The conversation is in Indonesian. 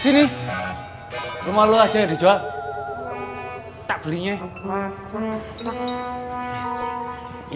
sini rumah lu aja yang dijual tak belinya ya